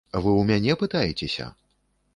Вы ў мяне пытаецеся?